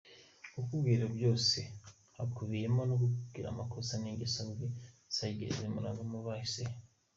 Kukubwira byose hakubiyemo no kukubwira amakosa n’ingeso mbi zagiye zimuranga mu hahise he.